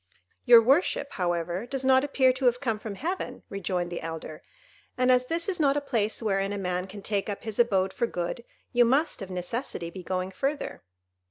"Your worship, however, does not appear to have come from heaven," rejoined the elder, "and as this is not a place wherein a man can take up his abode for good, you must, of necessity, be going further."